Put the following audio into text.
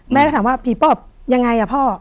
แม่ก็ถามว่าผีปอบยังไงอ่ะพ่อ